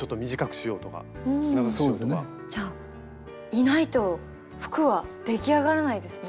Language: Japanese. いないと服は出来上がらないですね。